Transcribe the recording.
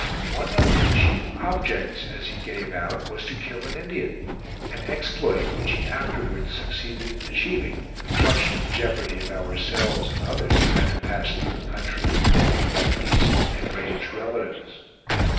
One of his chief objects, as he gave out, was to kill an Indian; an exploit which he afterwards succeeded in achieving, much to the jeopardy of ourselves and others who had to pass through the country of the dead Pawnee's enraged relatives.